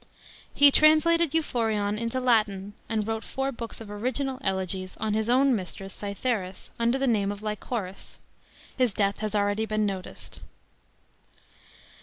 He translated Euphorion into Latin; and vroto tour Books of original elegies on his own mistress Cytheris under the name of Lycoris. His death has been alivady noticed.